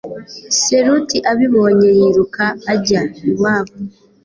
Iseult abibonye yiruka ajya iwabo